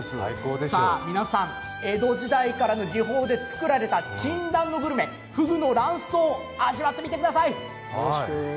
皆さん、江戸時代からの技法で作られた禁断のグルメ、ふぐの卵巣味わってみてください。